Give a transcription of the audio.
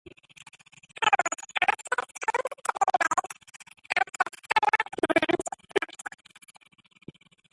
Holes also tend to be made out of somewhat large objects.